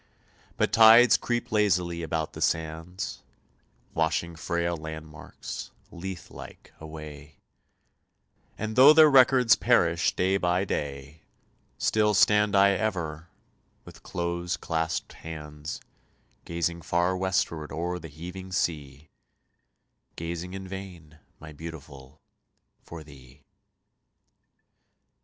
But tides creep lazily about the sands, Washing frail landmarks, Lethe like, away, And though their records perish day by day, Still stand I ever, with close claspèd hands, Gazing far westward o'er the heaving sea, Gazing in vain, my Beautiful, for thee.